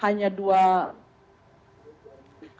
hanya dua minit